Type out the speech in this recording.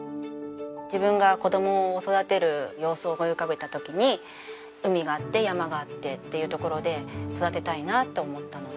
自分が子供を育てる様子を思い浮かべた時に海があって山があってっていう所で育てたいなと思ったので。